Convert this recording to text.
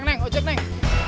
neng ojek neng